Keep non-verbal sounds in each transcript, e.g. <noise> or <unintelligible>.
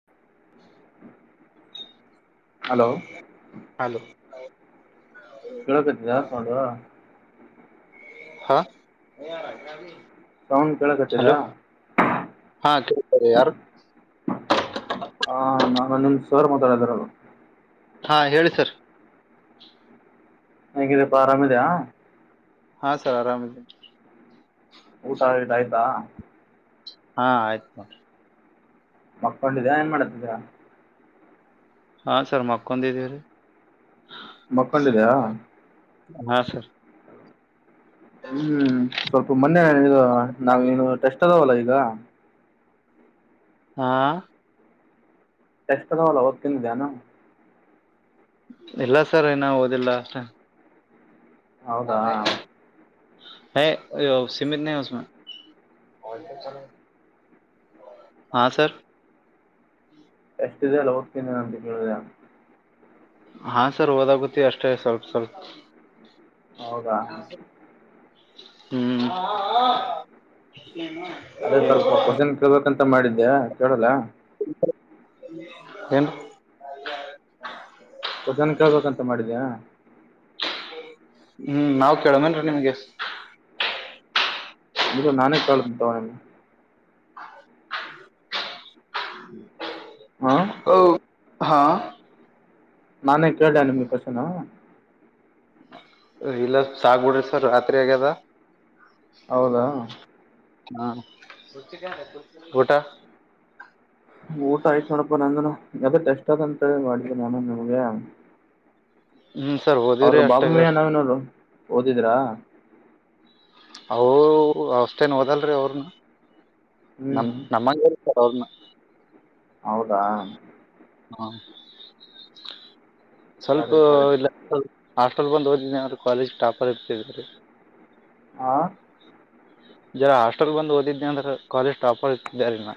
<unintelligible> <inaudible> Hello ಕೇಳಬೇಕತಿಸ್ ನೋಡು ಹಾ ಸೌಂಡ್ ಕೇಳಕ್ಟ್ಟಿದಾ ಹಲೋ ಹಾ ಕೇಳ್ತಾರೆ ಯಾರು ಹ ನಾನು ನಿ್ ಸರ್ ಮಾತಾಡಿದರರು ಹಾ ಹೇಳಿ ಸರ್ ನಗಿದೀಪ್ಪ ಆರಾಮ ಇದೆಯಾ ಹಾ ಸರ್ ಆರಾಮದನೆ ಊಟ ಆತ ಆಯ್ತಾ ಹಾ ಆಯ್ತು ಮಕ್ಕೊಂಡ ಇದ ಏನ್ ಮಾಡಾತಿದ್ರಾ ಹಾ ಸರ್ ಮಕ್ಕೊಂಡಿದ್ದೀವ ರೀ ಮಕ್ಕೊಂಡಿದ್ಯಾ ಹಾ ಸರ್ ಹ್ಮ್ ಸ್ವಲ್ಪ ಮೊನ್ನೆಗ ನಾವ ನು ಟೆಸ್ಟ್ ಅದವಲ್ಲ ಈಗ ಹಾ ಎೆಷ್ಟಟ್ಾವಲ್ಲ ದ್ತಿದೆಾನ ಇಲ್ಲ ಸರ್ ಏ ನ ಓದಿಲ್ಲ ಅಷ್ಟೇ ಹೌದಾ ತಪ ಹ ಸೀಮಿತಮೇ ಹಾ ಸರ್ ಎಷ್ಟು ದೇಳ ಓೋಗ್ತೀನಿ ಅಂತ ಕೇಳಿದ ಹಾ ಸರ್ ಓದಾಗುತ್ತೆ ಅಷ್ಟೇ ಸ್ವಲ್ಪ ಸ್ವಲ್ಪ ಹೌದಾ ಹ್ಮ್ ಅದೇ ಸ್ವಲ್ಪ ಕ್ವಶನ್ ಕೇಳಳ್ಬೇಕಂತ ಮಾಡಿದ್ದೆ ಕೇಳಲ್ಲ ಏನು ಷನ್ ಆಗ್ಬೇಕಂತ ಮಾಡಿದ್ಯಾಾ ಹ್ಮ್ ನಾವ್ ಕೇಳಮೇನ್ೀ ನಿಮ್ಗೆ ಇಲ್ಲ ನಾನೇ ಕಾಂತ ತಾವ ಹಾ ಹ ಹಾ ನಾನೇ ಕೇಳ ನಿಮ್ಗೆ ಕ್ವನ್ ಇಲ್ಲ ಸಾಗ್ಬಿಡ್ರಿ ಸರ್ ರಾತ್ರಿ ಆಗ್ಯದ ಹೌದಾ ಹ್ಮ ಊಟ. ಊಟ ಆಯ್ತು ನೋಡಪ್ಪಾ ನದನು ಎಷ್ಟ ಅದ ಅಂತೇಳ ಮಾಡಿದ್ದನಿ ನಾನು ನಿಮ್ಗೆ. ಹ್ಮ್ ಸರ್. ಅವರು ಓದಿವ್ರಿ ಬಾಬು ಅಷ್ಟಾಗ ಮಯ್ಯ ಅಷ್ಟ ನವೀನವರು ಓದಿದ್ರಾ. ಅವ ಅವಷ್ಟೇನ್ ಓದಲರಅವ್ರನು ನಮ ಹ್ಮ್ ನಮ್ಮಗೆ. ಹೌ ಹೌದಾ ಹಾ ಸ್ವಲ್ಪ ಸರಿ ಸರಿ ಇಲ್ಲ ಹಾಸ್ಟೆಲ್ ಬಂದು ಓದಿದ್ರ್ ಅವ್ರರು ಕಾಲೇಜ್ ಟಾಪರ್ ಇರ್ತಿದರಿ. ಹಾ ಜರ ಹಾಸ್ಟೆಲ್ ಬಂದು ಓದಿದ್ ಅಂದ ಕಾಲೇಜ ಟಾಪರ ಇರತಿದೀನಿ ನಾ.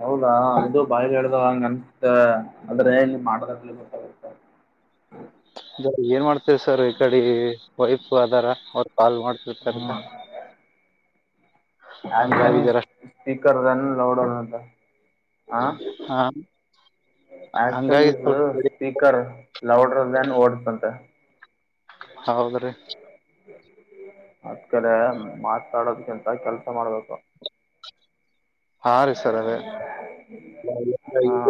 ಹೌದಾ ಅದು ಬಾಯ್ ಹೇಳ್ದಾಗ ಹಂಗ ಅನ್ತ ಅದ್ರೆ ಮಾಡ ಗೊತ್ತ. ಏನ್ ಮಾಡ್ತೇವಿ ಸರ್ ಈ ಕಡೆ ವೈಫ ಅದಾರ. ಕಾಲ್ ಮಾಡೋಡ್ತಿರ್ತಾರಂತ. ಹ್ಮ ಆನ್ ಈ ಸ್ಪೀಕರ್ ಲೌಡ. ಹ ಹಾ ಆಕ್ಷನ್ ಹಂಗಾಗಿ ಈಸ್. ಸ್ವಲ್ಪ ಕಡಿ ಸ್ಪೀಕರ್ ಲೌಡರ್ ಓಡ್ಸ್ ಅಂತ. ಹೌದ್ರಿ ಆಕಡೆ ಮಾತಾಡೋದಕ್ಕಿಂತ ಕೆಲ್ಸ ಮಾಡ್ಬೇಕು. ಹಾ ರೀ ಸರ್ ಅದೇ. ಹಾ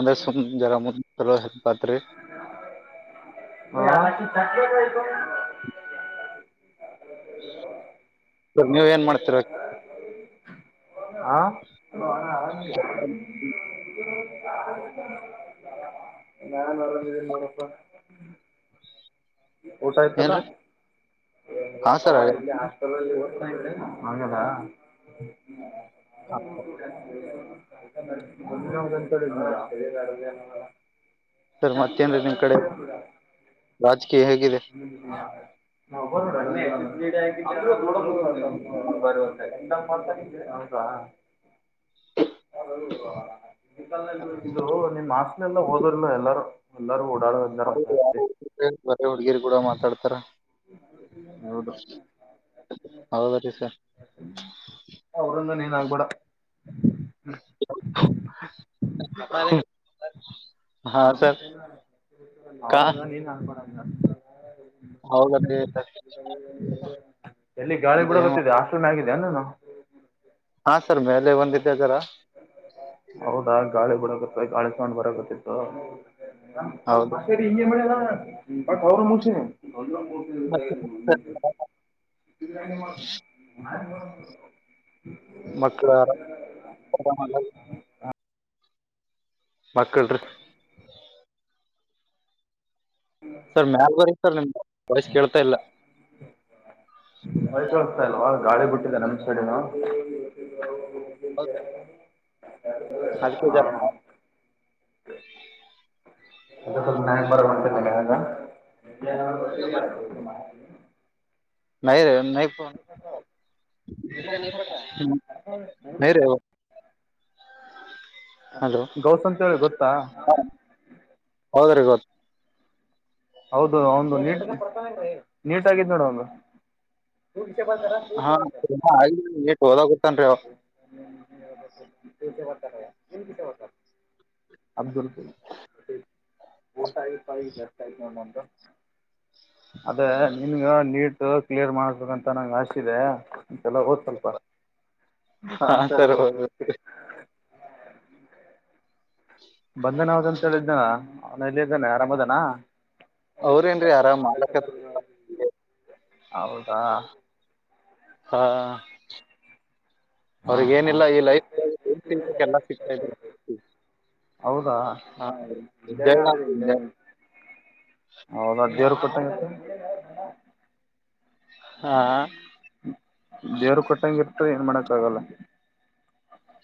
ಅಂದ್ರೆ ಸುಮ್ ಜರ ಮುಲೋಪಾತ್ರಿ <unintelligible> ಹ ಸ ನೀವ ಏನ್ ಮಾಡ್ತಿರ. ಹಾ ನಾನ ಅರಂದಿದ್ದೀನಿ ನೋಡಪ್ಪ. ಊಟ ಆಯ್ತಲ್ಲಾ. ಏನ್ರಿ ಇಲ್ಲ ಹಾ ಪ ಸರ್ ಇಲ್ಲಿ ಹಾಸ್ಪೆಲ್ಲಿ ಓದ್ತಾ ಇದದೆ ಆಂಗಲ್ಲ. ಹಾ <unintelligible> ಸರ್ ಮತ್ತೇನ್ರಿ ನಿಮ್ ಕಡೆ <unintelligible> ರಾಜಕೀಯ ಹೇಗಿದೆ. <unintelligible> <unintelligible> ಹೌದಾ <inaudible> <inaudible> <unintelligible> ಇಲ್ಲ ಹೋದ್ನು ಎಲ್ಲಾರ ಎಲ್ಲೂ ಓಡಾಡೋ. ಹೌದು ಯ ಬರ ಹುಡ್ಗಿರಿ ಕೂಡ ಮಾತಾಡ್ತಾರ. ಹೌದು ಹೌ ಬರಿ ಸರ್. ಅವ್ರಂಗ ನಿ ಆಗ್ಬೇಡ. <unintelligible> ಹ ಸರ್ ಕಾ ಅವರಂಗ್ ನಿ ಆಗಬೇಡ. ಹೌದ <unintelligible> ಚೆನ್ನಾಗಿದೆ ಏನ್ ಇದ. ಹಾ ಸರ್ ಮೇಲೆ ಒಂದಿದೆದಾರ ಹೌದಾ ಗಾಳಿ ಬಡಕತ್ತ ಗಾಳಿ ಸೊಂಡ್ ಬರಕತ್ತತ್ತು ಹೌದು ಸರಿ ಈ ಮ ಅವ್ರ ಮುಸಿನ ಮತ್ತೆ ಸರ್ <unintelligible> ಮಕ್ಕಳ ಮಕ್ಕಳ ರೀ ಹ್ಞ ಸರ್ ಮ್ಯಾಲ ಬರಿ ಸರ್ ನಿಮ್ದ ವಯಸ್ ಕೇಳ್ತಾ ಇಲ್ಲ ಬೈ ಕಳಸ್ತಾ ಇಲ್ವಾ ಗಾಳಿ ಬಿಟ್ಟಿದೆ ನಮ್ ಸೈಡಿನ ಹೌ ಅದಕ್ಕೆ ಜರ ಅ ನಕ್ ಬರ ನ ರ ನ ರವ ಹೋ ಗೌಸ್ ಅಂತ ಹೇಳಿ ಗೊತ್ತಾ ಹೌದ್ರೀ ಗತ್ತು ಹೌದು ಒಂದು ನೀಟ್ ನೀಟ್ ಆಗಿದ್ ನೋಡ ಒಂದು ಹಾ ಹಾಗ ಏ ಹೋದ ಗೊತ್ತನ್ೀ ಅವ ಅಬ ಊಟ ಆಯತ ಜಾಸ್ತಿ ಆಯ್ತು ಅದೇ ನಿನ್ಗ ನೀ ಕ್ಲಿಯರ್ ಮಾಡ್ಬೇಕಂತ ನಂಗೆ ಆಸೆ ಇದೆ ಅಂತೆಲ್ಲ ಓದ್ಲ್ ಹಾ ಸರ್ ಹದುೆ ಬಂದನ ಅವದಂತ ಹೇಳಿದ್ದನ ಅವನ ಇಲ್ಲಿ ಹಗಾನೆ ಆರಾಮ್ ಅದಾನ ಅವ್ರೇನ್ರಿ ಆರಾಮ್ ರಾಮ ಮಾಲಕ ಹೌದಾ ಹಾ ಹಾ ಅವ್ರಗ ಹಾ ಏನಿಲ್ಲ ಈ ಲೈಫ್ ಏನ್ ತಿನ್ಬೇಕ ಎಲ್ಲ ಸಿಗ್ತ ಹೌದಾ ಹ ಎಲ್ಲ ಹೌದ ಅದೇವರು ಕೊಟ್ಟಂಗಂತೆ ಹಾ ದೇವರು ಕೊಟ್ಟಂಗ ಇರ್ತ ಏನ್ ಮಾಡಕ್ ಆಗಲ್ಲ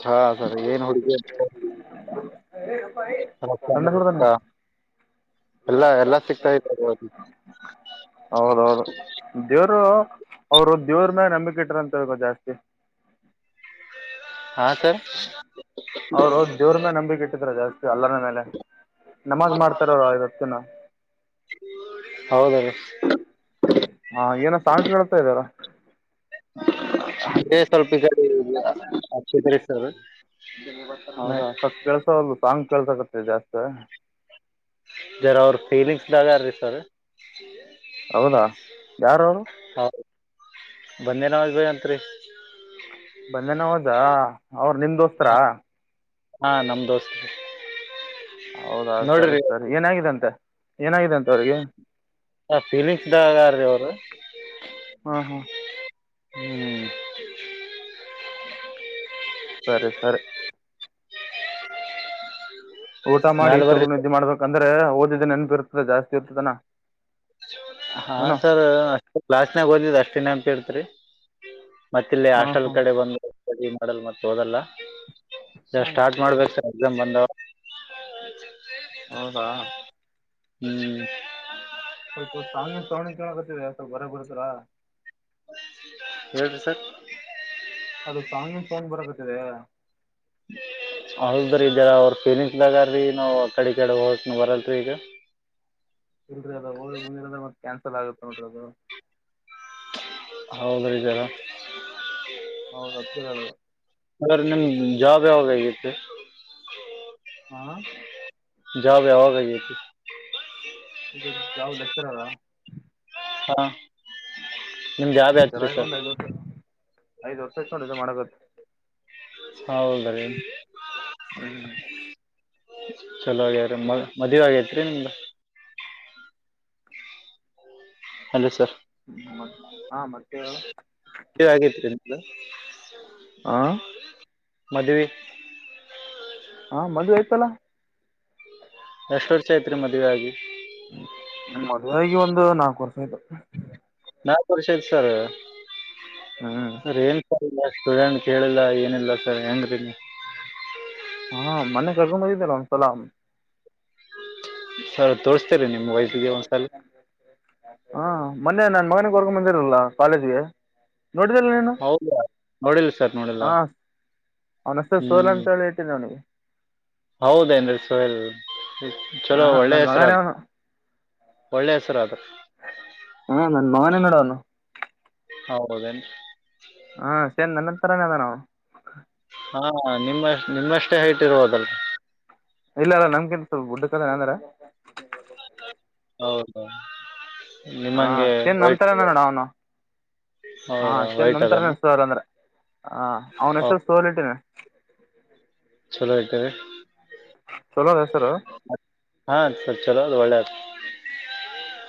ಹಾ ಸರ್ ಏನ್ ಹುಡುಗಿ ಅ ರೊಕ್ಕಾನು ಎಳ್ಳ ಕೂಡ ರೊಕ್ಕ ತಾನ ಎಲ್ಲಾ ಎಲ್ಲಾ ಸಿಗ್ತಾ ಇದ್ದಾರೆ ಅವ್ರಿಗೆ. ಹೌದ ಹೌದು ದೇವರು ಅವರು ದೇವ್ರ ಮೇ ನಂಬಿಕೆ ಇಟ್ರಂತ ಹೇಳ್ಬೇಕೋ ಜಾಸ್ತಿ ಹಾ ಸರ್ ಅವ್ರು ದವ್ರ ಮೇ ನಂಬಿಕೆ ಇಟ್ಟಿದ್ರರು ಜಾಸ್ತಿ ಅಲ್ಲರ ಮೇಲೆ ನಮಾಜ್ ಮಾಡ್ತಾರ ಅವ್ರ ಇವತ್ತಿನ ಹೌದಲ್ರಿ ಹಾ ಏನ ಸಾಂ್ ಕತಾ ಇದಾರಾ ಅೇ ಸ್ವಲ್ಪ ಈ ಅ ಸರ್ ಹೌದಾ ಸತ್ ಕೆಲ್ಸವಲ್ಲಲು ತಂಗ್ ಕೆಲ್ಸಕತ್ತ ಜಾಸ್ತ ಜರ ಅವ್ರ ಫೀಲಿಂಗ್ಸ್ ದಾಗ ರೀ ಸರ್ ಹೌದಾ ಯಾರ ಅವರು ಹೌ ಬಂದೇ ನಾವಾಗ ಅಂತ್ರಿ ಬಂದನ ಹೋದಾ ಅವರು ನಿ್ದ ಹ ಹಾ ನಮ ದೋಸ್ತ ಹೌದಾ ಸರಿ ಸರಿ ಏನಾಗಿದಂತೆ ಏನಾಗಿದಂತೆ ಅವ್ರಿಗಿ ಹ ಫೀಲಿಂಗ್ಸದಾಗಾರೀ ಅವರು ಹಾ ಹಾ ಹ್ಮ್ ಸರಿ ಸರಿ ಊಟ ಮಾಡಿ ಮ್ಯಾಲ್ ಚಲೋ ಬರ್ರಿ ನಿದ್ದಿ ಮಾಡ್ಬೇಕಂದ್ರೆ ಓದಿದ್ದ ನೆನ್ನಪ ಇರ್ತದೆ ಜಾಸ್ತಿ ಇರ್ತದಾನ ಹಾ ಸರ್ ಅಷ್ಟೆ ಕ್ಲಾಸ್ನಾಗ ಓದಿದ್ದ ಅಷ್ಟೆ ನೇನಪ ಇರತ್ತದ್ರಿ ಮತ್ತ ಇಲ್ಲಿ ಹಾ ಹಾಸ್ಟೆಲ್ ಹಾ ಕಡೆ ಬಂದ್ರ ಸ್ಟಡಿ ಮಾಡಲ್ ಮತ್ತ ಓದಲ್ಲ ಸರ್ ಸ್ಟಾರ್ಟ್ ಮಾಡ್ಬೇಕ ಸರ್ ಎಕ್ಸಾಮ್ ಬಂದವ ಹೌದಾ ಹ್ಮ್ ಸ್ವಲ್ಪ ಸಾಂಗಿದ ಸೌಂಡ ಕೇಳಕೊತ್ತಿದೆ ಸ್ವಲ್ಪ ಹೊರಗ ಬರ್ತ್ತಿರಾ ಹೇಳ್ರಿ ಸರ್ ಅದು ಸಾಂಗಿದ ಸೌಂಡ್ ಬರಕುತಿದೆ ಹೌದ್ರೀ ಜರ ಅವ್ರ ಫೀಲಿಂಗ್ಸದಾಗಾರೀ ನಾವು ಅಕಡಿ ಈಕಡಿ ಹೋಗಕನ್ನು ಬರಲ್ರಿ ಈಗ ಇಲ್ರಿ ಅದ ಹೋಗಿ ಮುಂದಿರದ ಮತ್ತ ಕ್ಯಾನ್ಸಲ್ ಆಗುತ್ತ ನೋಡರಿ ಅದು ಹೌದ್ರೀ ಜರ ಹೌದ‌ ಅದಕ್ಕೆ ಹೇಳಿದೆ ಸರ್ ನಿಮ್ ಜಾಬ್ ಯಾವಾಗ ಆಗಿತ್ತು ಹಾ ಜಾಬ್ ಆವಾಗ ಆಗೈತ್ತಿ ಇದು ಜಾಬ್ ಲಕ್ಕಚ್ಚರರ್ ಹಾ ನಿಮ್ ಜಾಬ್ ಯಾತ್ರಿ ಲಕ್ಕಚರಾಗಿ ಸರ್ ಒಂದ್ ಐದ್ ವರ್ಷ ಐದ್ ವರ್ಷ ಆಯ್ತ ನೋಡ್ ಇದೆ ಮಾಡಕತ್ತ್ ಹೌದ್ರಿ ಹ್ಮ್ ಚಲೋ ಆಗ್ಯ್ರೀ ಮ ಮದುವಿ ಆಗೇತ್ರಿ ನಿಮ್ದ ಹಲೋ ಸರ್ ಹ್ಮ ಹಾ ಮತ್ತೇ ಹೇಳು ಮದುವಿ ಆಗೈತ್ರಿ ನಿಮ್ದ ಹಾ ಮದುವಿ ಹಾ ಮದುವಿ ಆಯ್ತಲ್ಲಾ ಎಷ್ಟ್ ವರ್ಷ ಐತ್ರಿ ಮದ್ವಿ ಆಗಿ ಹ್ಮ ನನ್ನ ಮದುವೆ ಆಗಿ ಒಂದ್ ನಾಲ್ಕ ವರ್ಷ ಆಯ್ತು ನಾಲ್ಕ ವರ್ಷ ಆಯ್ತ ಐತ್ ಸರ್ ಹ್ಞೂ ಸರ್ ಏನ್ ಇಲ್ಲ ಸ್ಟೂಡೆಂಟ್ ಕೇಳಿಲ್ಲ ಏನಿಲ್ಲ ಸರ್ ಹೆಂಗ್ರಿ ನೀವ ಹಾ ಮನ್ನೆ ಕೇಳ್ಕೊಂಡ ಬಂದಿದ್ದಲ್ಲ ಒಂದ್ಸಲ ಸರ್ ತೋರಿಸ <inaudible> ಹಾ ಮೊನ್ನೆ ನನ್ನ ಮಗನಿಗೆ ಕರ್ಕೊಂಡ ಬಂದಿರಲ್ಲಿಲ್ಲ ಕಾಲೇಜಿಗೆ ನೋಡಿದಲ್ಲ ನೀನು ಹೌದಾ ನೋಡಿಲ್ಲ ಸರ್ ನೋಡಿಲ್ಲ ಹಾ ಅವನ ಹೆಸರು ಸೂರ್ಯ ಅಂತ ಹೇಳ ಇಟ್ಟಿದ್ದ ಅವನಿಗಿ ಹೌದೆನ್ರೀ ಸೋಹಲ್ ಚಲೋ ಹಾಂ ಒಳ್ಳೆ ನನ್ನ ಮಗನೇ ಹೆಸರಾದ ಅವನು ಒಳ್ಳೆ ಹೆಸರಾದ್ರಿ ಹಾ ನನ್ ಮಗನೇ ನೋಡ ಅವನು ಹೌದೇನ್ ಹಾ ಸೇರಿ ನನ್ನ ತರನ ಅದ ನಾವು ಹಾ ನಿಮ್ಮ ನಿಮ್ಮಷ್ಟೇ ಹೈಟ್ ಇರ್ವುದಲ್ರಿ ಇಲ್ಲ ಅಲ್ಲ ನಮ್ಗೆಂತ ಸ್ವಲ್ಪ ಡ್ ಕದ ಅಂದ್ರ ಹೌದ ಹಾ ಏನ್ ನಂತರಏನ ನೋಡ ಅವನು ಹಾ ಹೌದಾ ಚಂದ ವೈಟ್ ನಂತರ ಅದಾನ ಸೋರ್ ಅಂದ್ರ ಆ ಅವ್ನ ಹೆಸರು ಹೌದು ಸೋಲ್ ಇಟ್ಟಿನಿ ಚಲೋ ಇದತಾರೆ ಚಲೋಣ ಹೆಸರ ಹಾ ಚಲೋದು ಒಳ್ಳ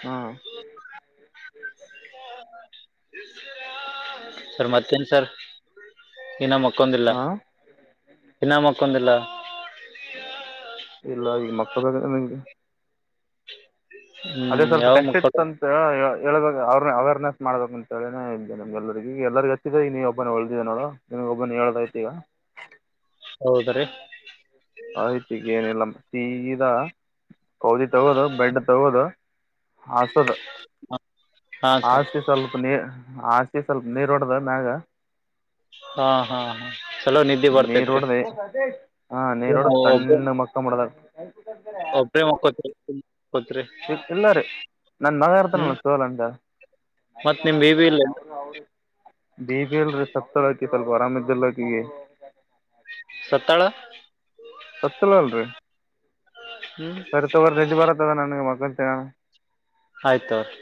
ಹಾಂ ಸರ್ ಮತ್ತೇನ್ ಸರ್ ಇನ್ನ್ಕ್ಕಂದಿಲ್ಲ ಹ ಇನ್ನ ಮಕ್ಕೊಂದಿಲ್ಲ ಇಲ್ಲ ಈಗ ಮಕ್ಕಳ ನಿಮಗೆ ಅದೇ ಹ್ಮ್ ಸ್ವಲ್ಪ ಯಾವಾಗ ಟೆಸ್ಟ್ ಮಕ್ಕಳು ಇತ್ತುಂತ ಸ ಹ ಹೇಳಳ್ಬೇಕು ಅವ್ರನ್ನ ಅವೇರ್ನೆಸ್ ಮಾಡಬೇಕು ಅಂತೇಳೇನೇ ಇ್ದ ನಮಗೆಲ್ಲರಿಗೆಗ ಎಲ್ಲರಿಗ ಹೆಚ್ಚಿದೆ ಈ ನೀವು ಒಬ್ಬನೇ ಒಳ್ದಿದೆ ನೋಡು ನಿಮಗ್ ಒಬ್ಬನ್ ಹೇಳದ್ತಿ ಈಗ ಹೌದ ರೀ ಆಯ್ತಿಗ ಏನಿಲ್ಲ ಮ ಸಗದ ಕೌದಿ ತಗೋದು ಬೆಂಡೆ ತಗೋದು ಹಸೋದು ಹಾ ಸರ್ ಆಸಿ ಸ್ವಲ್ಪ ನೀ ಆಸಿ ಸ್ವಲ್ಪ ನೀರ್ ಹೊಡ್ದ ಮ್ಯಾಗ ಹಾ ಹಾ ಹಾ ಚಲೋ ನಿದ್ದೆ ನೀರ್ ಬರ್ತೈತ್ರಿ ರೋಡ್ದೇ ಹ ನೀರ್ ರೋಡ್ ನಾವು ತಣ್ಣ ಮಕ್ಕ ಮಾಡದಾರ ಒ ಪ್ರೇಮ ಕೊತ ಇ ಇಲ್ಲ ರೀ ನನ್ ಮಗ ಹ್ಮ್ ಇರ್ತನಲ್ಲ ಸೋಲಟ ನಾವ ಮತ್ ಗಮ ನಿಮ್ ಬೇಬಿ ಯ ಇಲ್ಲ ಅವರು ಅವರು ಬಿ ಬಿ ಅಲ್ರರಿ ಸಪ್ತ್ತಳಕಿ ಸ್ವಲ್ಪ ಆರಾಮ್ದಲ್ಲಕ ಈಿಗೆ ಸತಳ ಸತ್ಯಲನ್ ರೀ ಹ್ಮ್ ಸರಿ ತಗೋ ಹೆಜ ಬರತ್ತತದ ನಗೆ ಮಳು ತಗೋಣ ಆಯ್ತ ಅವ್ರರಿ